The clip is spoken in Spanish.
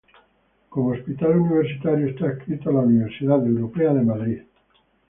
Como Hospital Universitario está adscrito a la Universidad Europea de Madrid.